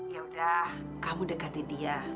yaudah kamu dekati dia